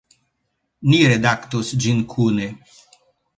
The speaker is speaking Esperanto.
Ni redaktos ĝin kune.